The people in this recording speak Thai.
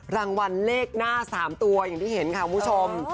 รางวัลเลขหน้า๓ตัวอย่างที่เห็นค่ะคุณผู้ชม